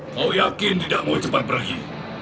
kau yakin tidak mau cepat pergi